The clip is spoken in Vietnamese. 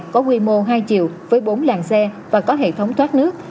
có quy mô hai chiều với bốn làng xe và có hệ thống thoát nước